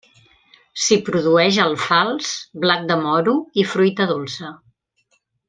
S'hi produeix alfals, blat de moro i fruita dolça.